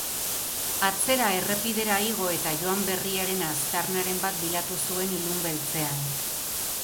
Atzera errepidera igo eta joan berriaren aztarnaren bat bilatu zuen ilun beltzean.